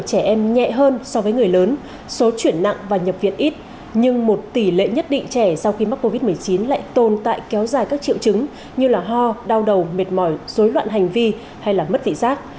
trẻ em nhẹ hơn so với người lớn số chuyển nặng và nhập viện ít nhưng một tỷ lệ nhất định trẻ sau khi mắc covid một mươi chín lại tồn tại kéo dài các triệu chứng như ho đau đầu mệt mỏi dối loạn hành vi hay mất vị giác